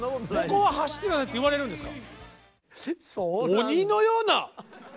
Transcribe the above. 「ここは走って下さい」って言われるんですか？